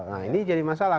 nah ini jadi masalah